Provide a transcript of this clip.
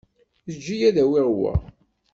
Eǧǧ-iyi ad awiɣ wa.